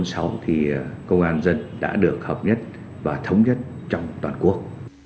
thì công an dân đã được hợp nhất và thống nhất trong toàn quốc